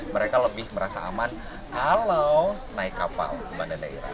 mereka lebih merasa aman kalau naik kapal ke bandan daerah